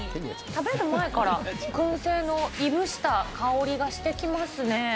食べる前から、くん製のいぶした香りがしてきますね。